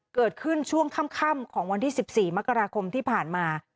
เกิดขึ้นช่วงค่ำของวันที่๑๔มกราคมที่ผ่านมา